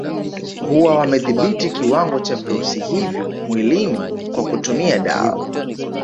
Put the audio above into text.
Huwa wamedhibiti kiwango cha virusi hivyo mwilini kwa kutumia dawa